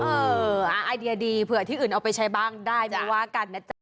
เออไอเดียดีเผื่อที่อื่นเอาไปใช้บ้างได้ไม่ว่ากันนะจ๊ะ